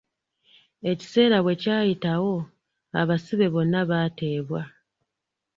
Ekiseera bwe kyayitawo, abasibe bonna baateebwa.